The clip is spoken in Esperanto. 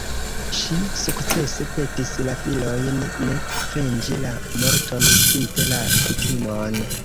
Ŝi sukcese petis la filojn ne venĝi la morton spite la kutimon.